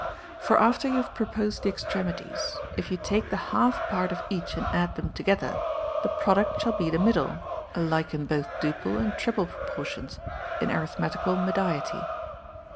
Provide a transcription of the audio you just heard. For after you have pro posed the extremities, if you take the half part of each and add them together, the product shall be the middle, alike in both duple and triple proportions, in arithmetical mediety.